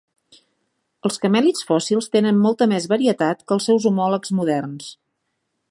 Els camèlids fòssils tenen molta més varietat que els seus homòlegs moderns.